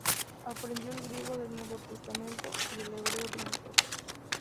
Aprendió el griego del Nuevo Testamento y el hebreo bíblico.